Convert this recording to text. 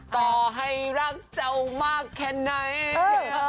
ต่อให้รักเจ้ามากแค่ไหน